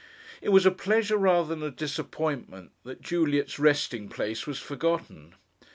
It was a pleasure, rather than a disappointment, that Juliet's resting place was forgotten.